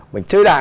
mình chơi đàn